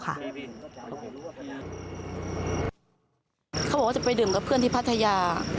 เขาบอกว่าจะไปดื่มกับเพื่อนที่พัทยา